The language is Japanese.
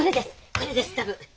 これです多分。